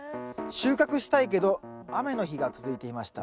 「収穫したいけど雨の日が続いていました。